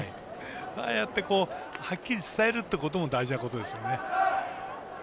ああやって、はっきり伝えるっていうことも大事なことですね。